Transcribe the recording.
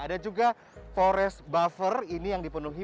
ada juga forest buffer ini yang dipenuhi